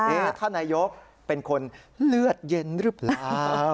เฮ้ท่านายยกเป็นคนเลือดเย็นรึเปล่า